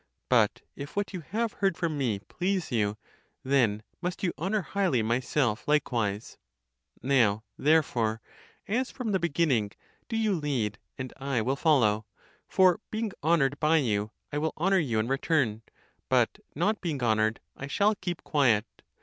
Butif what (you have heard) from me please you, then must you honour highly myself likewise. Now, therefore, as from the begin ning, do you lead and I will follow. For being honoured by you, I will honour you (in return); but not being honoured, I shall keep quiet.